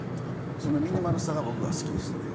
そのミニマルさが僕は好きでしたね